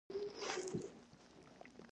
آیا مصرفي اقتصاد ختمیږي؟